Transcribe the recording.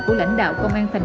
của lãnh đạo công an tp hcm